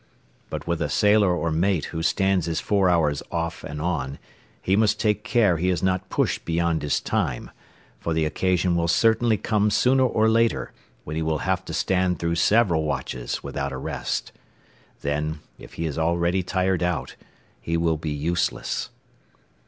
But with a sailor or mate who stands his four hours off and on, he must take care he is not pushed beyond his time, for the occasion will certainly come sooner or later when he will have to stand through several watches without a rest. Then, if he is already tired out, he will be useless.